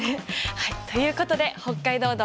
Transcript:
はいということで「北海道道」